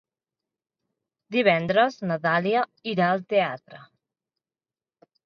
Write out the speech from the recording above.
Divendres na Dàlia irà al teatre.